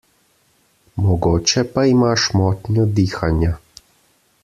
Mogoče pa imaš motnjo dihanja.